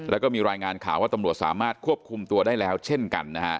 แล้วก็มีรายงานข่าวว่าตำรวจสามารถควบคุมตัวได้แล้วเช่นกันนะฮะ